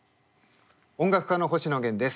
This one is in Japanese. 音楽家の星野源です。